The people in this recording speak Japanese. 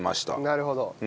なるほど。